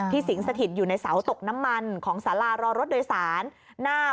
ที่สิงสถิตอยู่ในเสาตกน้ำมันของสารารอรสดำนายน